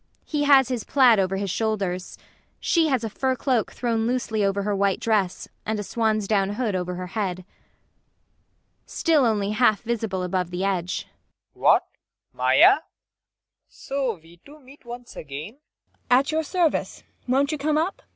He has his plaid over his shoulders; she has a fur cloak thrown loosely over her white dress, and a swansdown hood over her head. PROFESSOR RUBEK. [Still only half visible above the edge.] What, Maia! So we two meet once again? MAIA. [With assumed coolness.] At your service. Won't you come up?